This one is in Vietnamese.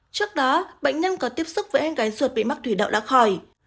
trước đó bệnh nhân có tiếp xúc với anh gái suột bị mắc thủy đậu đã khỏi